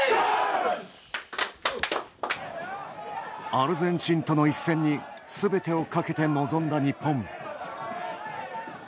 アルゼンチンとの一戦にすべてをかけて臨んだ日本。